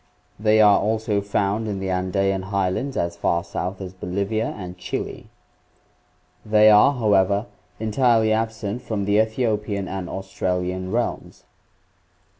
They are also found in the Andean highlands as far south as Bolivia and Chile. They are, however, entirely absent from the 564 ORGANIC EVOLUTION Ethiopian and Australian realms.